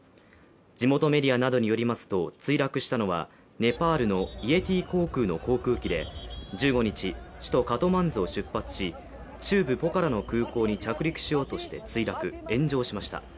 地元メディアなどによりますと墜落したのはネパールのイエティ航空の航空機で１５日、首都カトマンズを出発し、中部ポカラの空港に着陸しようとして墜落炎上しました。